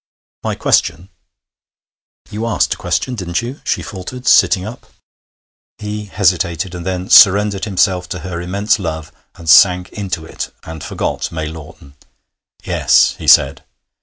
'My question?' 'You asked a question, didn't you?' she faltered, sitting up. He hesitated, and then surrendered himself to her immense love and sank into it, and forgot May Lawton. 'Yes,' he said.